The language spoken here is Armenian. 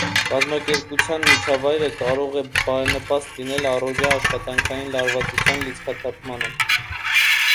Կազմակերպության միջավայրը կարող է բարենպաստ լինել առօրյա աշխատանքային լարվածության լիցքաթափման։